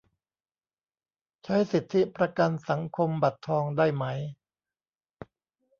ใช้สิทธิประกันสังคมบัตรทองได้ไหม